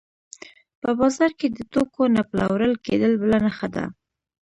په بازار کې د توکو نه پلورل کېدل بله نښه ده